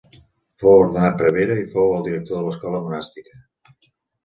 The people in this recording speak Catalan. Fou ordenat prevere i fou el director de l'escola monàstica.